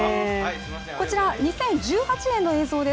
こちら２０１８年の映像です